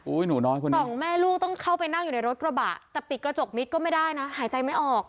หนูน้อยคนนี้สองแม่ลูกต้องเข้าไปนั่งอยู่ในรถกระบะแต่ปิดกระจกนิดก็ไม่ได้นะหายใจไม่ออก